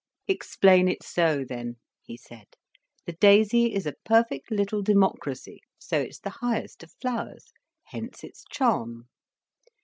"Explain it so, then," he said. "The daisy is a perfect little democracy, so it's the highest of flowers, hence its charm."